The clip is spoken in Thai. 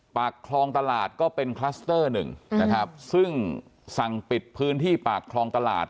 ปากคลองตลาดก็เป็นคลัสเตอร์หนึ่งนะครับซึ่งสั่งปิดพื้นที่ปากคลองตลาด